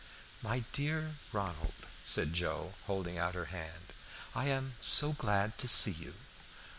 "My dear Ronald," said Joe, holding out her hand, "I am so glad to see you."